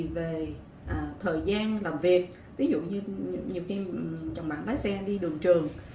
về thời gian làm việc ví dụ như nhiều khi chồng bạn lái xe đi đường trường